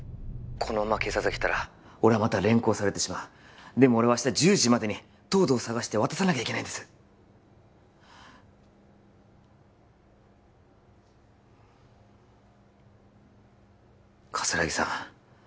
☎このまま警察が来たら俺はまた連行されてしまうでも俺は明日１０時までに東堂を捜して渡さなきゃいけないんです葛城さん